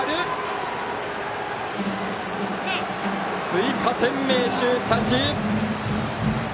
追加点、明秀日立！